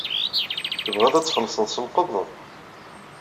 Tebɣiḍ ad txellṣeḍ s lqebḍ?